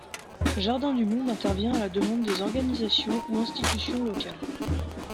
Jardins du Monde intervient à la demande des organisations ou institutions locales.